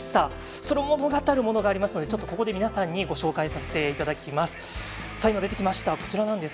それを物語るものがありますので皆さんにご紹介させていただきます。